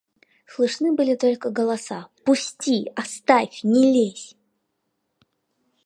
Слышны были только голоса: – Пусти! – Оставь! – Не лезь!